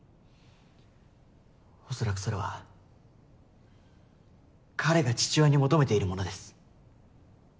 おそらくそれは彼が父親に求めているものです。